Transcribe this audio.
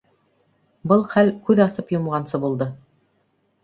Был хәл күҙ асып йомғансы булды.